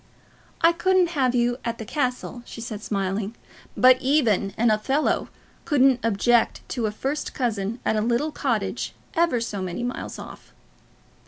"I couldn't have you at the castle," she said, smiling; "but even an Othello couldn't object to a first cousin at a little cottage ever so many miles off."